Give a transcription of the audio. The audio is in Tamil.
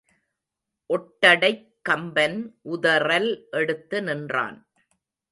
ஒட்டடைக் கம்பன் உதறல் எடுத்து நின்றான்.